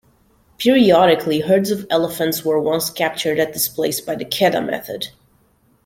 Periodically herds of elephants were once captured at this place by the Khedda method.